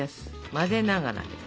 混ぜながら。